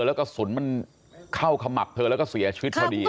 แล้วกระสุนมันเข้าขมับเธอแล้วก็เสียชีวิตพอดี